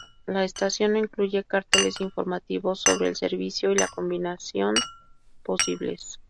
La estación no incluye carteles informativos sobre el servicio y la combinaciones posibles.